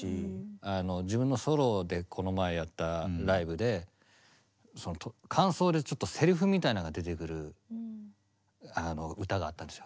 あの自分のソロでこの前やったライブでその間奏でちょっとセリフみたいなのが出てくるあの歌があったんですよ。